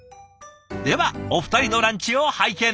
ではお二人のランチを拝見。